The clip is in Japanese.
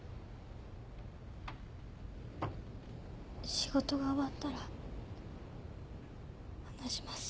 仕事が終わったら話します。